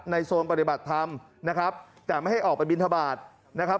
โซนปฏิบัติธรรมนะครับแต่ไม่ให้ออกไปบินทบาทนะครับ